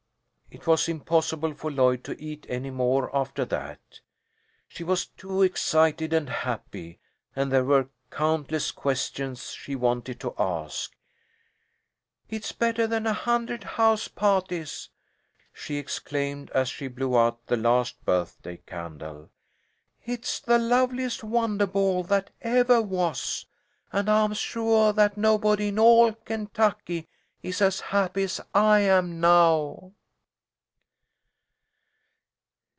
It was impossible for Lloyd to eat any more after that. She was too excited and happy, and there were countless questions she wanted to ask. "It's bettah than a hundred house pahties," she exclaimed, as she blew out the last birthday candle. "It's the loveliest wondah ball that evah was, and I'm suah that nobody in all Kentucky is as happy as I am now."